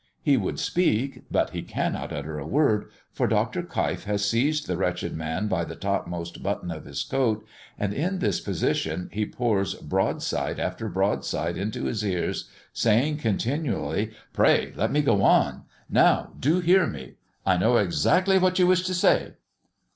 He would speak, but he cannot utter a word, for Dr. Keif has seized the wretched man by the topmost button of his coat, and in this position he pours broadside after broadside into his ears, saying continually "Pray let me go on!" "Now do hear me," "I know exactly what you wish to say."